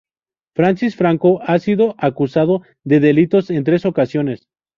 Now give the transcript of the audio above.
Francis Franco ha sido acusado de delitos en tres ocasiones.